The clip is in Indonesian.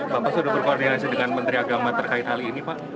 bapak sudah berkoordinasi dengan menteri agama terkait hal ini pak